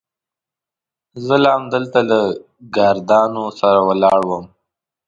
زه لا همدلته له ګاردانو سره ولاړ وم.